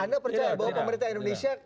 anda percaya bahwa pemerintah indonesia